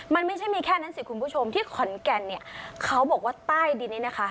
มันไม่ใช่มีแค่นั้นสิคุณผู้ชมที่ขอนแก่นเนี่ยเขาบอกว่าใต้ดินนี้นะคะ